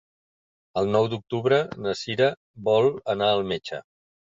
El nou d'octubre na Cira vol anar al metge.